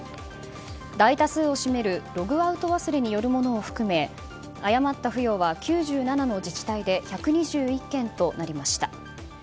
大多数を占めるログアウト忘れによるものを含め誤った付与は９７の自治体で１２１件となりました。